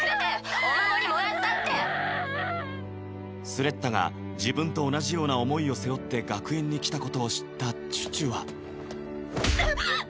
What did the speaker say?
スレッタが自分と同じような思いを背負って学園に来たことを知ったチュチュはバキッ！